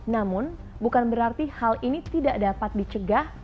tapi kalau dilatih bisa sih mestinya